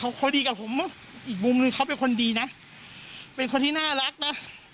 เขาเขาดีกับผมอีกมุมนึงเขาเป็นคนดีนะเป็นคนที่น่ารักนะ